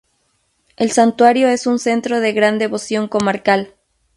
El santuario es un centro de gran devoción comarcal.